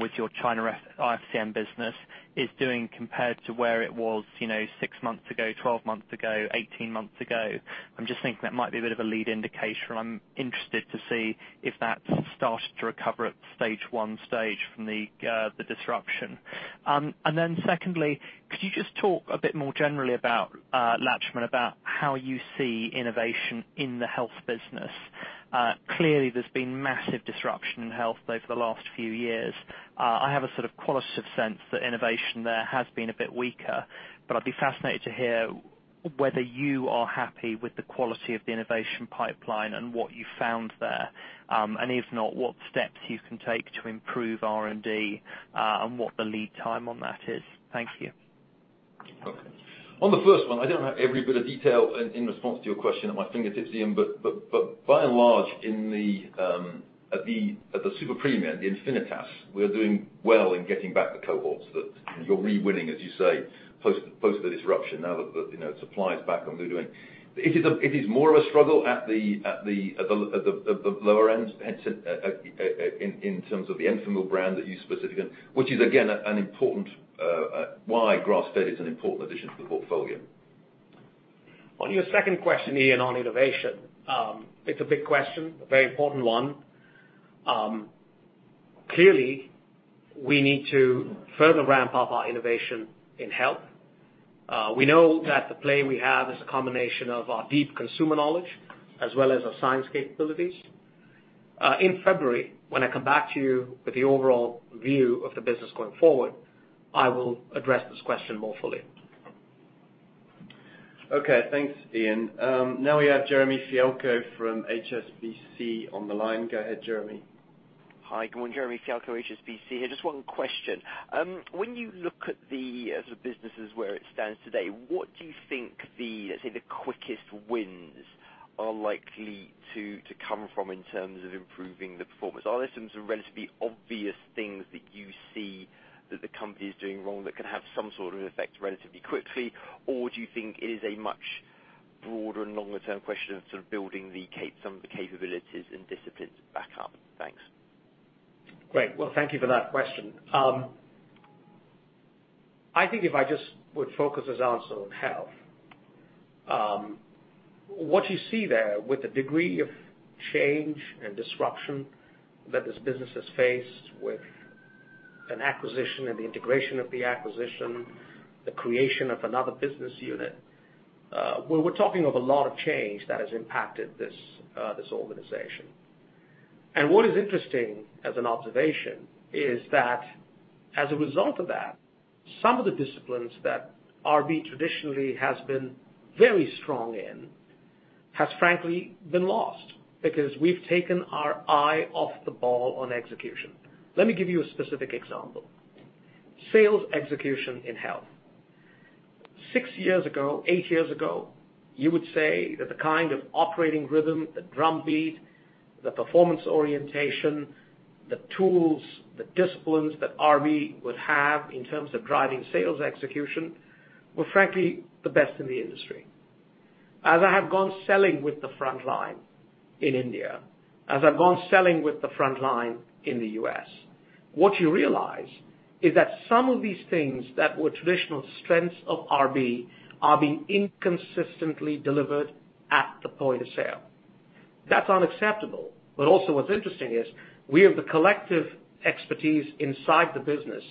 with your China IFCN business is doing compared to where it was six months ago, 12 months ago, 18 months ago? I'm just thinking that might be a bit of a lead indicator, and I'm interested to see if that's started to recover at stage 1 stage from the disruption. Secondly, could you just talk a bit more generally about, Lakshman, about how you see innovation in the health business? Clearly, there's been massive disruption in health over the last few years. I have a sort of qualitative sense that innovation there has been a bit weaker, but I'd be fascinated to hear whether you are happy with the quality of the innovation pipeline and what you found there. If not, what steps you can take to improve R&D, and what the lead time on that is. Thank you. Okay. On the first one, I don't have every bit of detail in response to your question at my fingertips, Iain, but by and large, at the super premium, the Enfamil, we are doing well in getting back the cohorts that you're re-winning, as you say, post the disruption now that supply is back up and we're doing. It is more of a struggle at the lower end in terms of the Enfamil brand that you specifically. Which is again, why grass-fed is an important addition to the portfolio. On your second question, Iain, on innovation. It's a big question, a very important one. Clearly, we need to further ramp up our innovation in health. We know that the play we have is a combination of our deep consumer knowledge, as well as our science capabilities. In February, when I come back to you with the overall view of the business going forward, I will address this question more fully. Okay. Thanks, Iain. Now we have Jeremy Fialko from HSBC on the line. Go ahead, Jeremy. Hi. Good morning. Jeremy Fialko, HSBC here. Just one question. When you look at the businesses where it stands today, what do you think the, let's say, quickest wins are likely to come from in terms of improving the performance? Are there some sort of relatively obvious things that you see that the company is doing wrong that can have some sort of effect relatively quickly? Or do you think it is a much broader and longer-term question of building some of the capabilities and disciplines back up? Thanks. Great. Well, thank you for that question. I think if I just would focus this answer on health. What you see there with the degree of change and disruption that this business has faced with an acquisition and the integration of the acquisition, the creation of another business unit. We're talking of a lot of change that has impacted this organization. What is interesting as an observation is that as a result of that, some of the disciplines that RB traditionally has been very strong in, has frankly been lost because we've taken our eye off the ball on execution. Let me give you a specific example. Sales execution in health. Six years ago, eight years ago, you would say that the kind of operating rhythm, the drum beat, the performance orientation, the tools, the disciplines that RB would have in terms of driving sales execution were frankly the best in the industry. As I have gone selling with the front line in India, as I've gone selling with the front line in the U.S., what you realize is that some of these things that were traditional strengths of RB are being inconsistently delivered at the point of sale. That's unacceptable. Also what's interesting is we have the collective expertise inside the business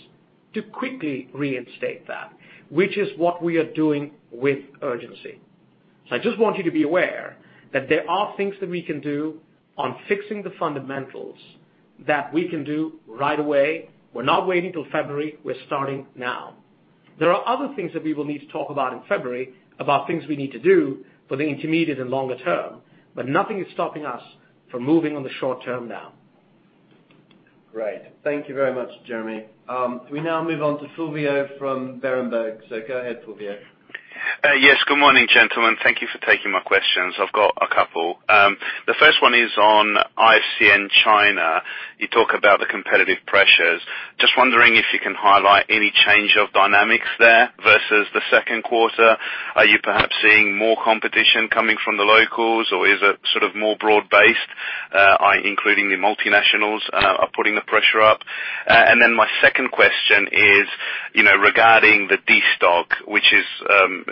to quickly reinstate that, which is what we are doing with urgency. I just want you to be aware that there are things that we can do on fixing the fundamentals that we can do right away. We're not waiting till February. We're starting now. There are other things that we will need to talk about in February about things we need to do for the intermediate and longer term, but nothing is stopping us from moving on the short term now. Great. Thank you very much, Jeremy. We now move on to Fulvio from Berenberg. Go ahead, Fulvio. Yes, good morning, gentlemen. Thank you for taking my questions. I've got a couple. The first one is on IFCN China. You talk about the competitive pressures. Just wondering if you can highlight any change of dynamics there versus the second quarter. Are you perhaps seeing more competition coming from the locals, or is it sort of more broad-based, including the multinationals are putting the pressure up? My second question is regarding the destock, which is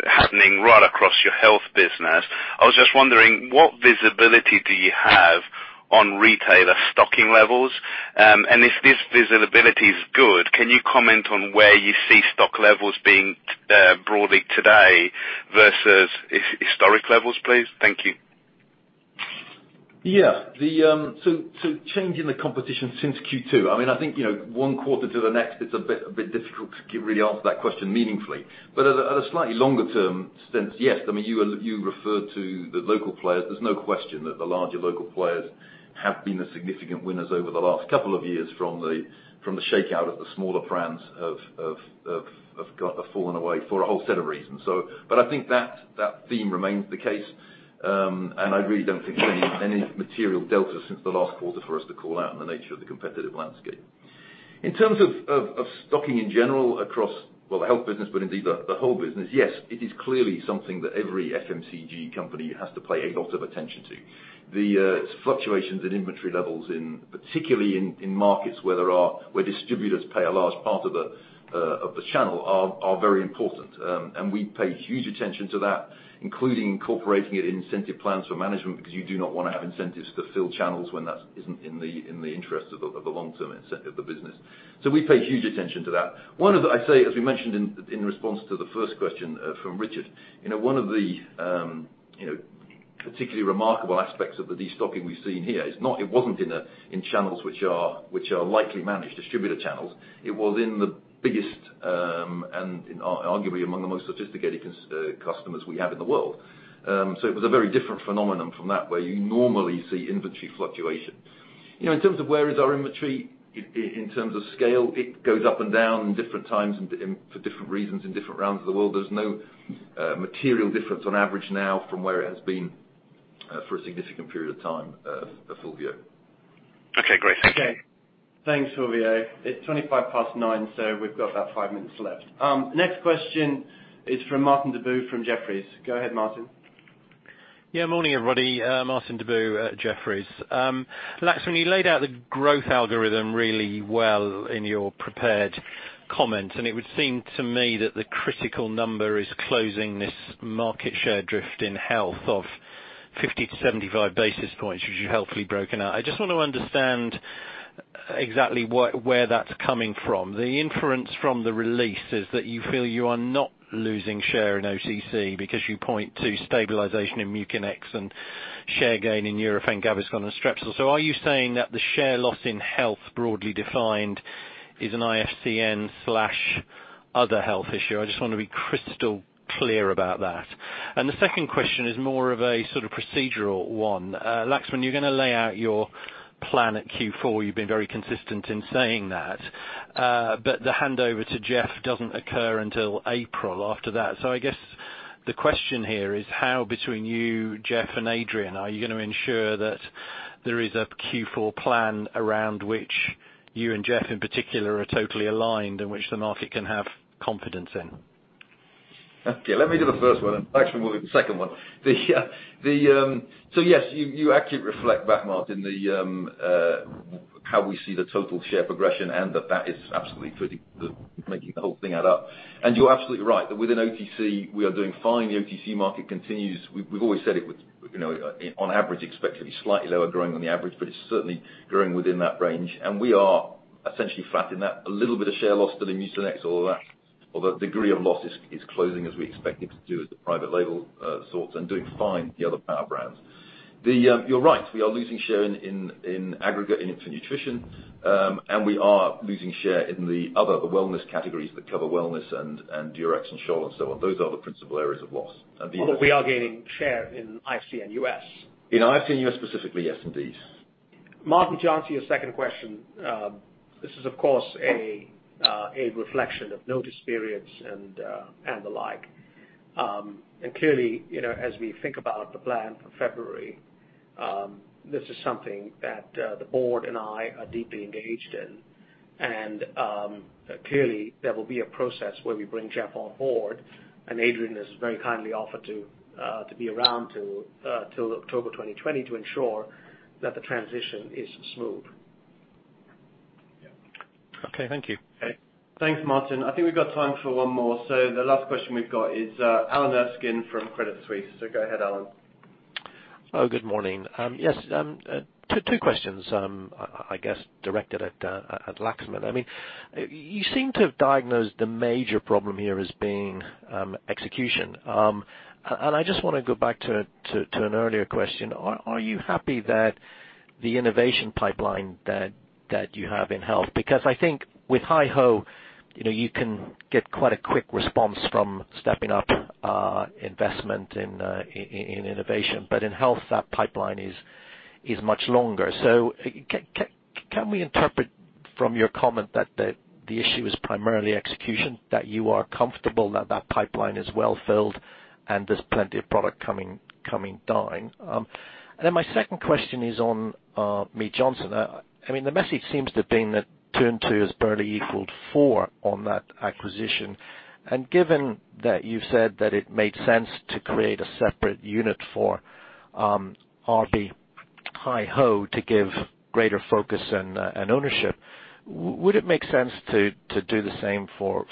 happening right across your health business. I was just wondering what visibility do you have on retailer stocking levels? If this visibility is good, can you comment on where you see stock levels being broadly today versus historic levels, please? Thank you. Changing the competition since Q2. I think one quarter to the next, it's a bit difficult to really answer that question meaningfully. At a slightly longer term sense, yes. You referred to the local players. There's no question that the larger local players have been the significant winners over the last couple of years from the shakeout of the smaller brands have fallen away for a whole set of reasons. I think that theme remains the case. I really don't think any material delta since the last quarter for us to call out in the nature of the competitive landscape. In terms of stocking in general across, well, the Health business, but indeed the whole business, yes, it is clearly something that every FMCG company has to pay a lot of attention to. The fluctuations in inventory levels, particularly in markets where distributors pay a large part of the channel are very important. We pay huge attention to that, including incorporating it in incentive plans for management because you do not want to have incentives to fill channels when that isn't in the interest of the long-term incentive of the business. We pay huge attention to that. As we mentioned in response to the first question from Richard, one of the particularly remarkable aspects of the destocking we've seen here is it wasn't in channels which are lightly managed distributor channels. It was in the biggest, and arguably among the most sophisticated customers we have in the world. It was a very different phenomenon from that, where you normally see inventory fluctuation. In terms of where is our inventory in terms of scale, it goes up and down different times and for different reasons in different rounds of the world. There's no material difference on average now from where it has been for a significant period of time, Fulvio. Okay, great. Thank you. Okay. Thanks, Fulvio. It's 9:25 A.M. We've got about five minutes left. Next question is from Martin Deboo from Jefferies. Go ahead, Martin. Morning everybody. Martin Deboo at Jefferies. Lax, when you laid out the growth algorithm really well in your prepared. comment, it would seem to me that the critical number is closing this market share drift in health of 50 to 75 basis points, which you've helpfully broken out. I just want to understand exactly where that's coming from. The inference from the release is that you feel you are not losing share in OTC, because you point to stabilization in Mucinex and share gain in Nurofen, Gaviscon, and Strepsils. Are you saying that the share loss in health broadly defined is an IFCN/other health issue? I just want to be crystal clear about that. The second question is more of a sort of procedural one. Laxman, you're going to lay out your plan at Q4. You've been very consistent in saying that. The handover to Jeff doesn't occur until April after that. I guess the question here is how between you, Jeff, and Adrian, are you going to ensure that there is a Q4 plan around which you and Jeff in particular are totally aligned in which the market can have confidence in? Let me do the first one and actually move to the second one. Yes, you actually reflect back, Martin, how we see the total share progression and that is absolutely making the whole thing add up. You're absolutely right, that within OTC, we are doing fine. The OTC market continues. We've always said it would on average expect to be slightly lower growing than the average, it's certainly growing within that range. We are essentially flat in that. A little bit of share loss for the Mucinex, all of that. Degree of loss is closing as we expect it to do as the private label sorts and doing fine, the other power brands. You're right, we are losing share in aggregate in nutrition, we are losing share in the other wellness categories that cover wellness and Durex and Scholl and so on. Those are the principal areas of loss. Although we are gaining share in IFCN U.S. In IFCN U.S. specifically, yes, indeed. Martin, to answer your second question. This is, of course, a reflection of notice periods and the like. Clearly, as we think about the plan for February, this is something that the Board and I are deeply engaged in. Clearly, there will be a process where we bring Jeff on board, and Adrian has very kindly offered to be around till October 2020 to ensure that the transition is smooth. Okay. Thank you. Okay. Thanks, Martin. I think we've got time for one more. The last question we've got is Alan Erskine from Credit Suisse. Go ahead, Alan. Good morning. Yes, two questions I guess directed at Lakshman. You seem to have diagnosed the major problem here as being execution. I just want to go back to an earlier question. Are you happy that the innovation pipeline that you have in health? Because I think with Hygiene Home, you can get quite a quick response from stepping up investment in innovation. In health, that pipeline is much longer. Can we interpret from your comment that the issue is primarily execution, that you are comfortable that that pipeline is well-filled and there's plenty of product coming down? Then my second question is on Mead Johnson. The message seems to have been that two and two has barely equaled four on that acquisition. Given that you've said that it made sense to create a separate unit for RB Hygiene Home to give greater focus and ownership, would it make sense to do the same for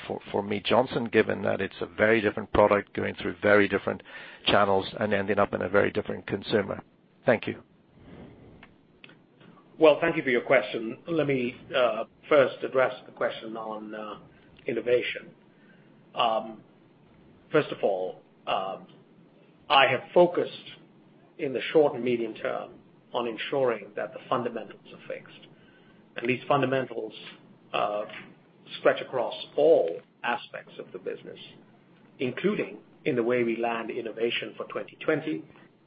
Mead Johnson, given that it's a very different product going through very different channels and ending up in a very different consumer? Thank you. Well, thank you for your question. Let me first address the question on innovation. First of all, I have focused in the short and medium term on ensuring that the fundamentals are fixed. These fundamentals stretch across all aspects of the business, including in the way we land innovation for 2020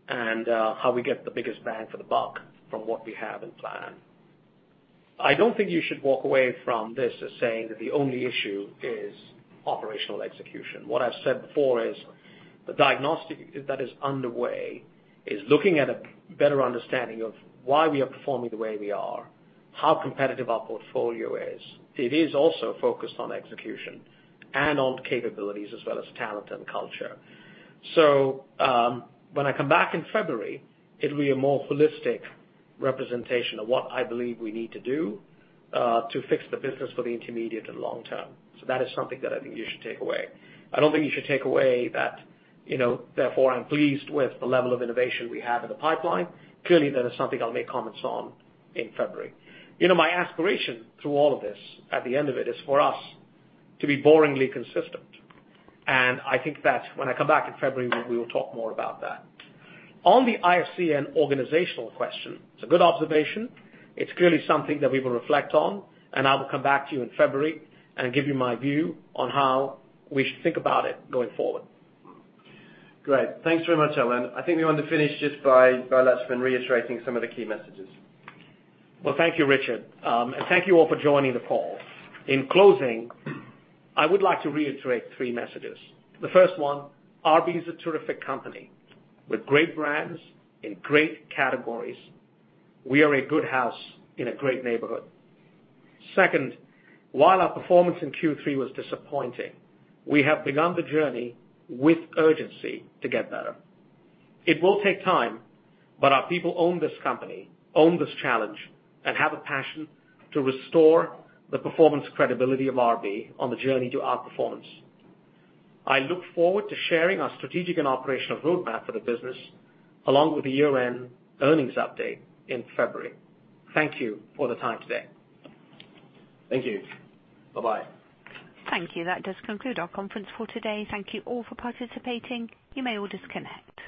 and how we get the biggest bang for the buck from what we have in plan. I don't think you should walk away from this as saying that the only issue is operational execution. What I've said before is the diagnostic that is underway is looking at a better understanding of why we are performing the way we are, how competitive our portfolio is. It is also focused on execution and on capabilities as well as talent and culture. When I come back in February, it will be a more holistic representation of what I believe we need to do to fix the business for the intermediate and long term. That is something that I think you should take away. I don't think you should take away that therefore I'm pleased with the level of innovation we have in the pipeline. Clearly, that is something I'll make comments on in February. My aspiration through all of this, at the end of it, is for us to be boringly consistent. I think that when I come back in February, we will talk more about that. On the IFCN organizational question, it's a good observation. It's clearly something that we will reflect on, and I will come back to you in February and give you my view on how we should think about it going forward. Great. Thanks very much, Alan. I think we want to finish just by Laxman reiterating some of the key messages. Well, thank you, Richard. Thank you all for joining the call. In closing, I would like to reiterate three messages. The first one, RB is a terrific company with great brands in great categories. We are a good house in a great neighborhood. Second, while our performance in Q3 was disappointing, we have begun the journey with urgency to get better. It will take time, but our people own this company, own this challenge, and have a passion to restore the performance credibility of RB on the journey to outperformance. I look forward to sharing our strategic and operational roadmap for the business, along with the year-end earnings update in February. Thank you for the time today. Thank you. Bye-bye. Thank you. That does conclude our conference call today. Thank you all for participating. You may all disconnect.